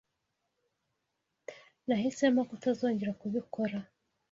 Nahisemo kutazongera kubikora.